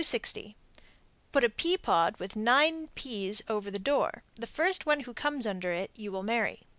Put a pea pod with nine peas over the door. The first one who comes under it you will marry.